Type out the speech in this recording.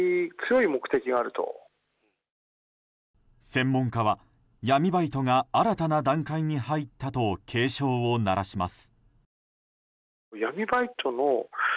専門家は闇バイトが新たな段階に入ったと警鐘を鳴らします。